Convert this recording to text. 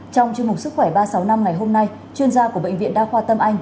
trong chương mục sức khỏe ba trăm sáu mươi năm ngày hôm nay chuyên gia của bệnh viện đa khoa tâm anh